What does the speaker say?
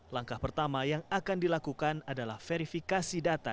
langkah pertama yang akan dilakukan adalah verifikasi data